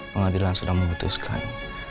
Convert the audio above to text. pengadilan sudah memutuskan